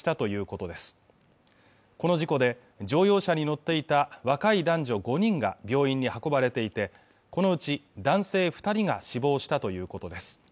この事故で乗用車に乗っていた若い男女５人が病院に運ばれていてこのうち男性二人が死亡したということです